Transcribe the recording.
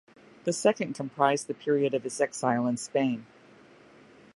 The second comprised the period of his exile in Spain.